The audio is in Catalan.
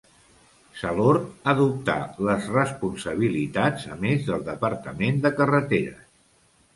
Salord adoptà les responsabilitats, a més, del departament de carreteres.